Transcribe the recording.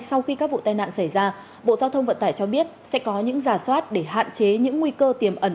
sau khi các vụ tai nạn xảy ra bộ giao thông vận tải cho biết sẽ có những giả soát để hạn chế những nguy cơ tiềm ẩn